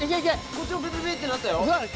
こっちもピピピって鳴ったよ。